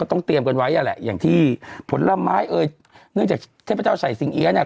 ต้องเตรียมกันไว้อ่ะแหละอย่างที่ผลไม้เอ่ยเนื่องจากเทพเจ้าชัยสิงเอี๊ยะเนี่ย